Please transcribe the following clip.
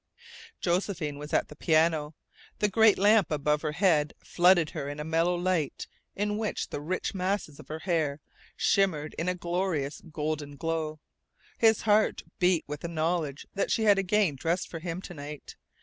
Josephine was at the piano. The great lamp above her head flooded her in a mellow light in which the rich masses of her hair shimmered in a glorious golden glow. His heart beat with the knowledge that she had again dressed for him to night.